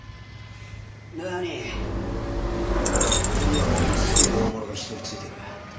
なに俺にはものすげえ大物が１人ついてる。